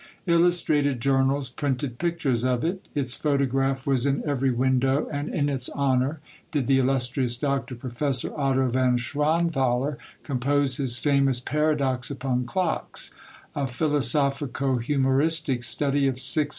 Illustrated journals printed pictures of it. Its photograph was in every window, and in its honor did the illustrious Doctor Professor Otto von Schwanthaler compose his famous Paradox tipon ClockSy a philosophico humoristic study of six 62 Monday Tales.